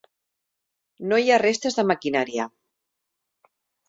No hi ha restes de maquinària.